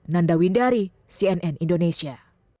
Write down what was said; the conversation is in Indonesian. nanda windari cnn indonesia